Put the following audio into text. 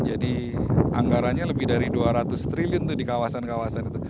jadi anggarannya lebih dari dua ratus triliun di kawasan kawasan itu